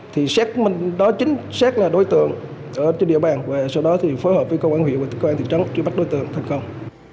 thì xác minh đó chính xác là đối tượng ở trên địa bàn và sau đó thì phối hợp với công an huyện và công an thị trấn truy bắt đối tượng thành công